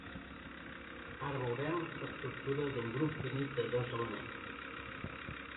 Ara veurem l'estructura d'un grup finit de dos elements.